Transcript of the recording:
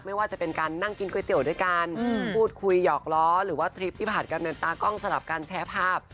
ไม่ว่าจะเป็นการนั่งกินก๋วยเตี๋ยวด้วยกันพูดคุยหยอกล้อหรือว่าทริปที่ผ่านการเดินตากล้องสำหรับการแชร์ภาพ